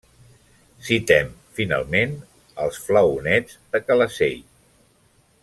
Citem, finalment, els flaonets de Calaceit.